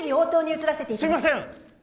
すみません！